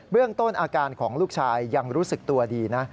เรื่องต้นอาการของลูกชายยังรู้สึกตัวดีนะ